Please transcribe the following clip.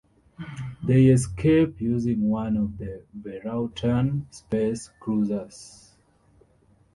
They escape using one of the Varautan space cruisers.